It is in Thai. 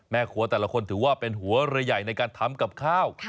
แม่ครัวแต่ละคนถือว่าเป็นหัวเรือใหญ่ในการทำกับข้าว